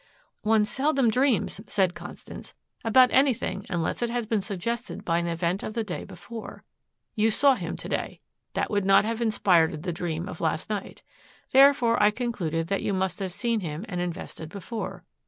"One seldom dreams," said Constance, "about anything unless it has been suggested by an event of the day before. You saw him today. That would not have inspired the dream of last night. Therefore I concluded that you must have seen him and invested before.